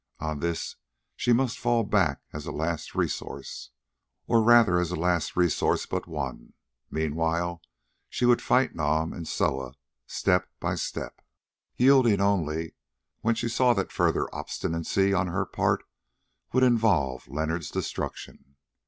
On this she must fall back as a last resource, or rather as a last resource but one. Meanwhile, she would fight Nam and Soa step by step, yielding only when she saw that further obstinacy on her part would involve Leonard's destruction.